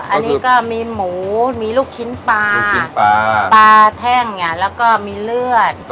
อันนี้ก็มีหมูมีลูกชิ้นปลาปลาแท่งแล้วก็มีเลือด